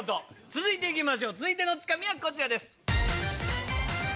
続いていきましょう続いてのツカミはこちらです。